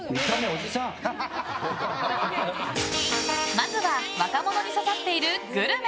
まずは若者に刺さっているグルメ！